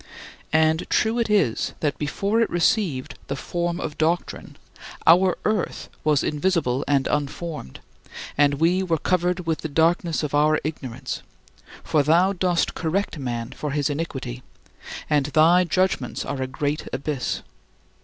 And true it is that before it received "the form of doctrine," our "earth" was "invisible and unformed," and we were covered with the darkness of our ignorance; for thou dost correct man for his iniquity, and "thy judgments are a great abyss."